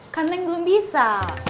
kan neng belum bisa